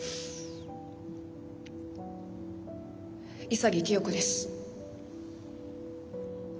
潔清子です。